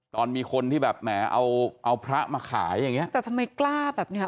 ตอนมีคนที่แบบแหมเอาเอาพระมาขายอย่างเงี้ยแต่ทำไมกล้าแบบเนี้ย